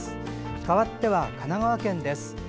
かわっては神奈川県です。